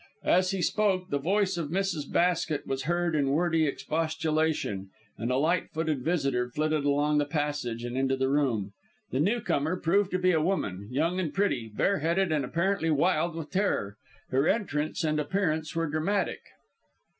As he spoke, the voice of Mrs. Basket was heard in wordy expostulation, and a light footed visitor flitted along the passage and into the room. The new comer proved to be a woman, young and pretty, bareheaded, and apparently wild with terror. Her entrance and appearance were dramatic.